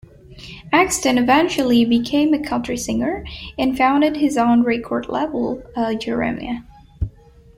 Axton eventually became a country singer, and founded his own record label, Jeremiah.